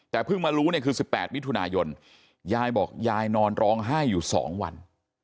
แต่เพิ่งมารู้เนี่ยคือ๑๘มิถุนายนยายบอกยายนอนร้องไห้อยู่๒วัน